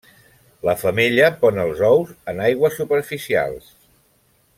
La femella pon els ous en aigües superficials.